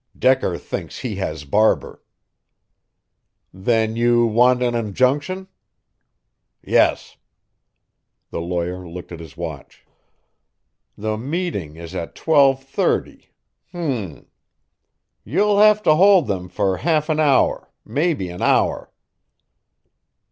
Decker thinks he has Barber." "Then you want an injunction?" "Yes." The lawyer looked at his watch. "The meeting is at twelve thirty. H'm. You'll have to hold them for half an hour maybe an hour."